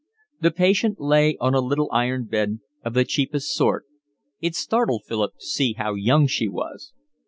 The patient lay on a little iron bed of the cheapest sort. It startled Philip to see how young she was.